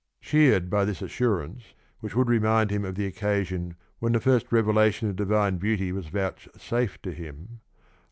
Cheered by this assurance, which would remind him of the occasion when the first revelation of divine beauty was vouchsafed to him (I.